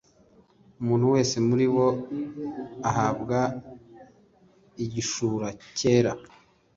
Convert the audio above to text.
Umuntu wese muri bo ahabwa igishura cyera,